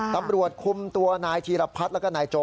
ตำรวจคุมตัวนายธีรพัฒน์แล้วก็นายโจ